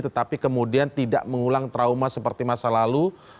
tetapi kemudian tidak mengulang trauma seperti masa lalu